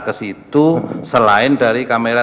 ke situ selain dari kamera